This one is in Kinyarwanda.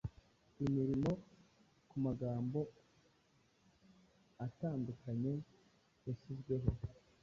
imirimo kumagambo atandukanye yashyizweho